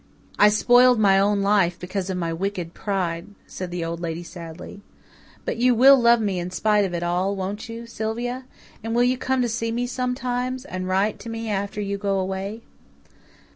"I spoiled my own life because of my wicked pride," said the Old Lady sadly. "But you will love me in spite of it all, won't you, Sylvia? And you will come to see me sometimes? And write me after you go away?"